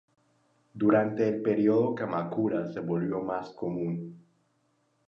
Durante el período Kamakura se volvió más común.